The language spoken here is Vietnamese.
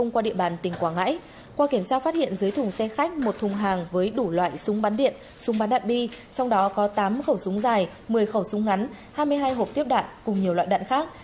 qua kiểm tra phát hiện dưới thùng xe khách một thùng hàng với đủ loại súng bắn điện súng bắn đạn bi trong đó có tám khẩu súng dài một mươi khẩu súng ngắn hai mươi hai hộp tiếp đạn cùng nhiều loại đạn khác